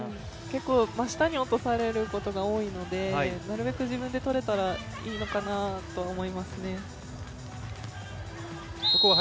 真下に落とされることが多いので、なるべく自分で取れたらいいのかなとは思いますね。